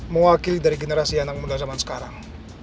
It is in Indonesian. mewakili dari generasi anak muda zaman sekarang